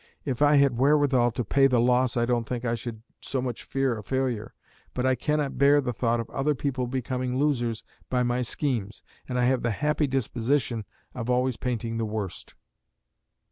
If I had wherewithal to pay the loss, I don't think I should so much fear a failure; but I cannot bear the thought of other people becoming losers by my schemes; and I have the happy disposition of always painting the worst.